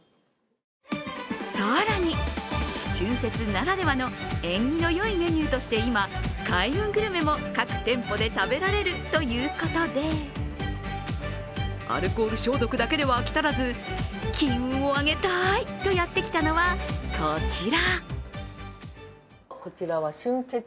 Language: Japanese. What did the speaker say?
更に、春節ならではの縁起のよいメニューとして、今、開運グルメも各店舗で食べられるということでアルコール消毒だけでは飽き足らず、金運を上げたいとやってきたのは、こちら。